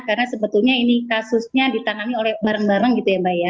karena sebetulnya ini kasusnya ditanami oleh bareng bareng gitu ya mbak ya